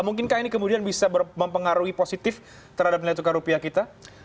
mungkinkah ini kemudian bisa mempengaruhi positif terhadap nilai tukar rupiah kita